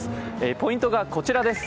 ポイントがこちらです。